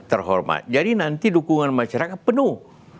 terhormat jadi nanti dukungan masyarakat penuh